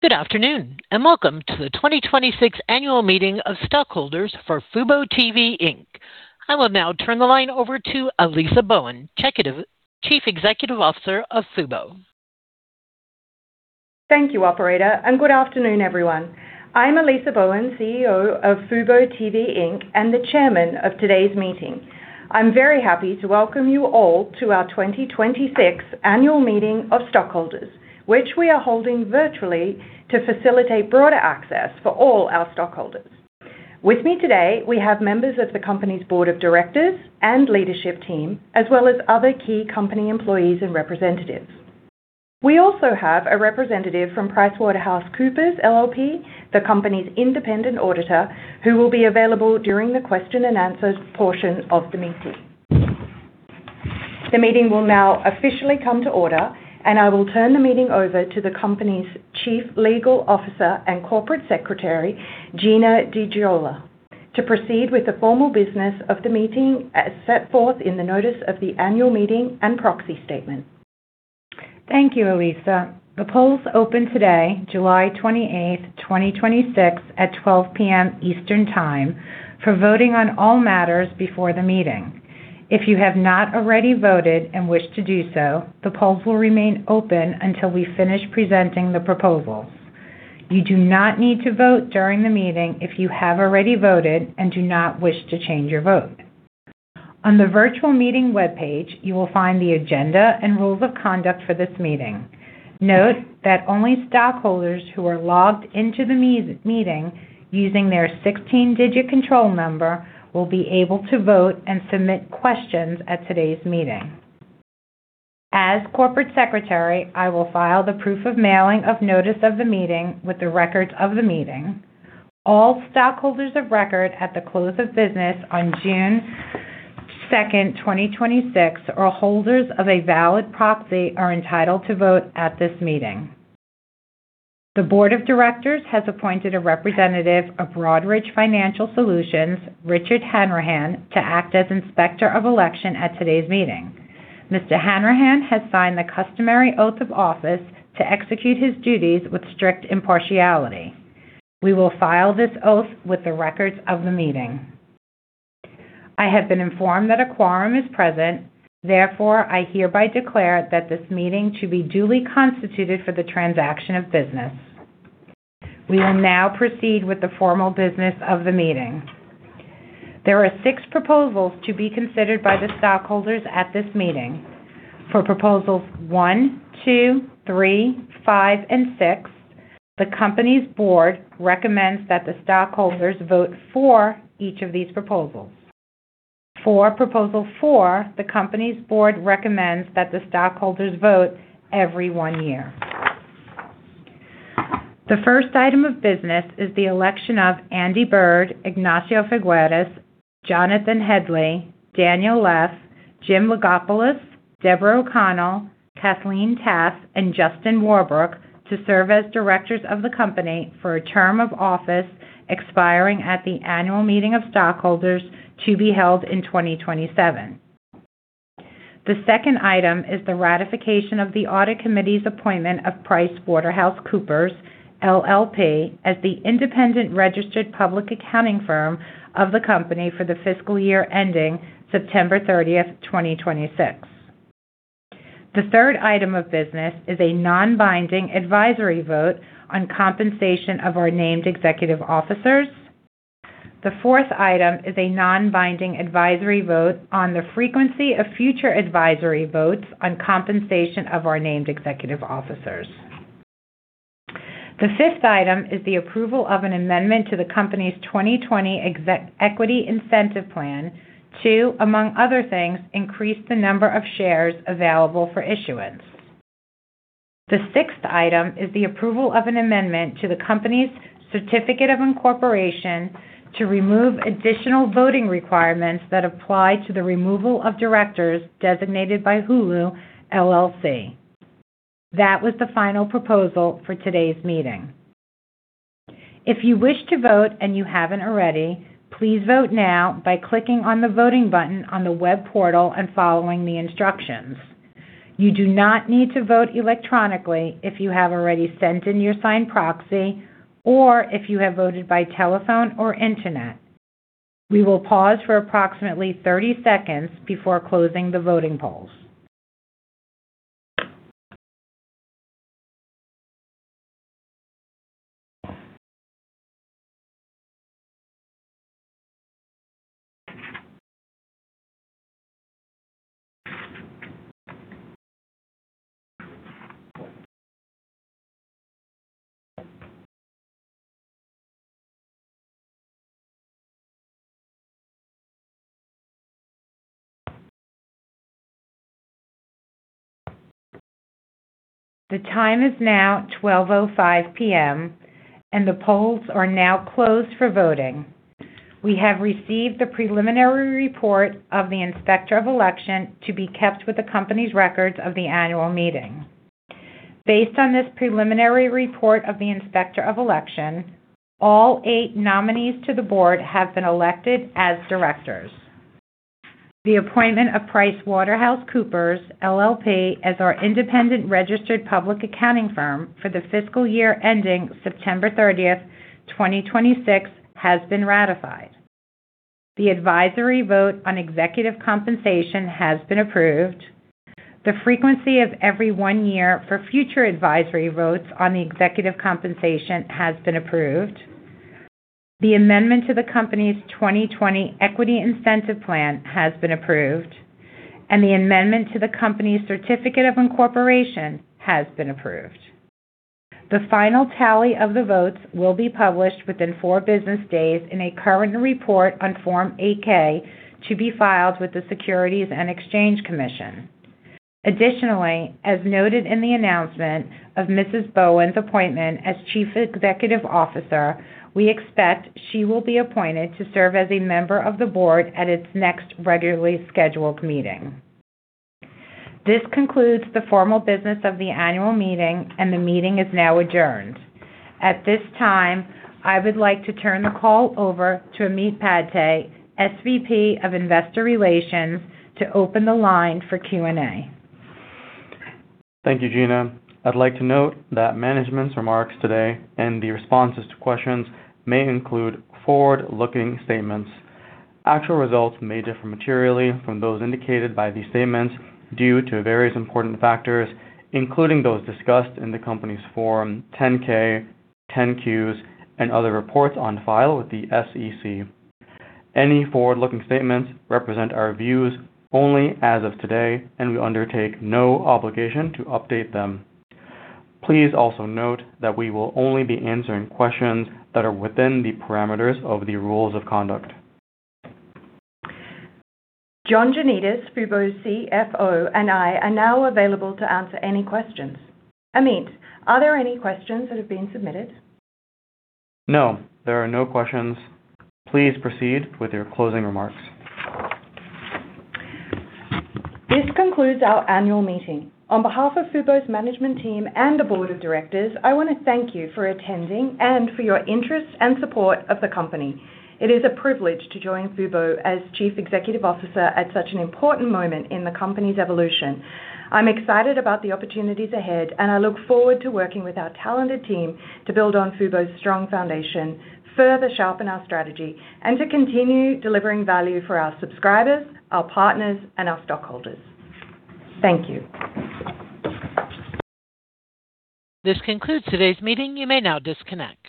Good afternoon, welcome to the 2026 Annual Meeting of Stockholders for fuboTV Inc. I will now turn the line over to Alisa Bowen, Chief Executive Officer of Fubo. Thank you, operator, good afternoon, everyone. I'm Alisa Bowen, CEO of fuboTV Inc., and the chairman of today's meeting. I'm very happy to welcome you all to our 2026 Annual Meeting of Stockholders, which we are holding virtually to facilitate broader access for all our stockholders. With me today, we have members of the company's board of directors and leadership team, as well as other key company employees and representatives. We also have a representative from PricewaterhouseCoopers LLP, the company's independent auditor, who will be available during the question and answer portion of the meeting. The meeting will now officially come to order, I will turn the meeting over to the company's Chief Legal Officer and Corporate Secretary, Gina DiGioia, to proceed with the formal business of the meeting as set forth in the notice of the annual meeting and proxy statement. Thank you, Alisa. The polls opened today, July 28th, 2026, at 12:00 P.M. Eastern Time for voting on all matters before the meeting. If you have not already voted and wish to do so, the polls will remain open until we finish presenting the proposals. You do not need to vote during the meeting if you have already voted and do not wish to change your vote. On the virtual meeting webpage, you will find the agenda and rules of conduct for this meeting. Note that only stockholders who are logged into the meeting using their 16-digit control number will be able to vote and submit questions at today's meeting. As Corporate Secretary, I will file the proof of mailing of notice of the meeting with the records of the meeting. All stockholders of record at the close of business on June 2nd, 2026, or holders of a valid proxy are entitled to vote at this meeting. The board of directors has appointed a representative of Broadridge Financial Solutions, Richard Hanrahan, to act as Inspector of Election at today's meeting. Mr. Hanrahan has signed the customary oath of office to execute his duties with strict impartiality. We will file this oath with the records of the meeting. I have been informed that a quorum is present, therefore, I hereby declare that this meeting to be duly constituted for the transaction of business. We will now proceed with the formal business of the meeting. There are six proposals to be considered by the stockholders at this meeting. For Proposals one two, three, five, and six, the company's board recommends that the stockholders vote for each of these proposals. For Proposal four, the company's board recommends that the stockholders vote every one year. The first item of business is the election of Andy Bird, Ignacio Figueras, Jonathan Headley, Daniel Leff, Jim Lygopoulos, Debra O'Connell, Cathleen Taff, and Justin Warbrooke to serve as directors of the company for a term of office expiring at the annual meeting of stockholders to be held in 2027. The second item is the ratification of the audit committee's appointment of PricewaterhouseCoopers, LLP, as the independent registered public accounting firm of the company for the fiscal year ending September 30th, 2026. The third item of business is a non-binding advisory vote on compensation of our named executive officers. The fourth item is a non-binding advisory vote on the frequency of future advisory votes on compensation of our named executive officers. The fifth item is the approval of an amendment to the company's 2020 Equity Incentive Plan to, among other things, increase the number of shares available for issuance. The sixth item is the approval of an amendment to the company's certificate of incorporation to remove additional voting requirements that apply to the removal of directors designated by Hulu, LLC. That was the final proposal for today's meeting. If you wish to vote and you haven't already, please vote now by clicking on the voting button on the web portal and following the instructions. You do not need to vote electronically if you have already sent in your signed proxy or if you have voted by telephone or internet. We will pause for approximately 30 seconds before closing the voting polls. The time is now 12:05 P.M., and the polls are now closed for voting. We have received the preliminary report of the Inspector of Election to be kept with the company's records of the annual meeting. Based on this preliminary report of the Inspector of Election, all eight nominees to the board have been elected as directors. The appointment of PricewaterhouseCoopers, LLP as our independent registered public accounting firm for the fiscal year ending September 30th, 2026, has been ratified. The advisory vote on executive compensation has been approved. The frequency of every one year for future advisory votes on the executive compensation has been approved. The amendment to the company's 2020 Equity Incentive Plan has been approved, and the amendment to the company's certificate of incorporation has been approved. The final tally of the votes will be published within four business days in a current report on Form 8-K to be filed with the Securities and Exchange Commission. Additionally, as noted in the announcement of Mrs. Bowen's appointment as Chief Executive Officer, we expect she will be appointed to serve as a member of the board at its next regularly scheduled meeting. This concludes the formal business of the annual meeting, and the meeting is now adjourned. At this time, I would like to turn the call over to Ameet Padte, SVP of Investor Relations, to open the line for Q&A. Thank you, Gina. I'd like to note that management's remarks today and the responses to questions may include forward-looking statements. Actual results may differ materially from those indicated by these statements due to various important factors, including those discussed in the company's Form 10-K, 10-Qs, and other reports on file with the SEC. Any forward-looking statements represent our views only as of today. We undertake no obligation to update them. Please also note that we will only be answering questions that are within the parameters of the rules of conduct. John Janedis, Fubo's CFO, and I are now available to answer any questions. Ameet, are there any questions that have been submitted? No, there are no questions. Please proceed with your closing remarks. This concludes our annual meeting. On behalf of Fubo's management team and the board of directors, I want to thank you for attending and for your interest and support of the company. It is a privilege to join Fubo as chief executive officer at such an important moment in the company's evolution. I'm excited about the opportunities ahead, and I look forward to working with our talented team to build on Fubo's strong foundation, further sharpen our strategy, and to continue delivering value for our subscribers, our partners, and our stockholders. Thank you. This concludes today's meeting. You may now disconnect.